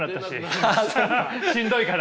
ハハしんどいから。